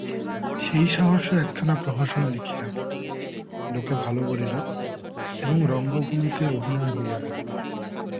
সেই সাহসে একখানা প্রহসন লিখিলাম, লোকে ভালো বলিল এবং রঙ্গভূমিতে অভিনয় হইয়া গেল।